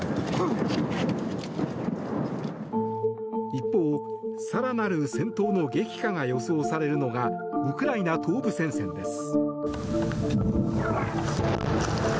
一方、更なる戦闘の激化が予想されるのがウクライナ東部戦線です。